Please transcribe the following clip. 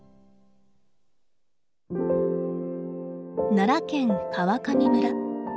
奈良県川上村。